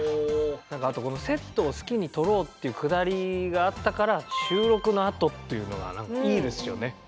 何かあとこのセットを好きに撮ろうっていうくだりがあったから「収録のあと」っていうのが何かいいですよね。